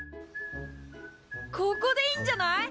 ここでいいんじゃない？